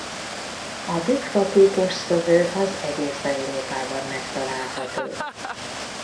A bükkfa-púposszövő az egész Európában megtalálható.